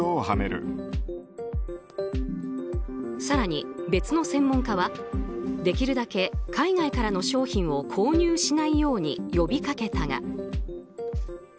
更に別の専門家はできるだけ海外からの商品を購入しないように呼びかけたが。